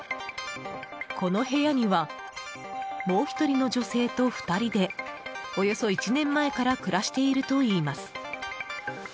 この部屋には、もう１人の女性と２人でおよそ１年前から暮らしているといいます。